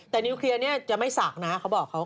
แต่นิ้วเคลียร์จะไม่สักนะเขาบอกเขา